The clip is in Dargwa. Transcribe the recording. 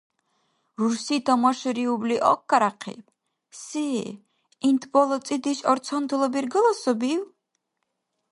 Рурси тамашариубли аъкаряхъиб: «Се? ГӀинтӀбала цӀедеш – арцантала бергала сабив?»